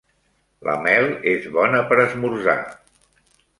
La mel és bona per esmorzar.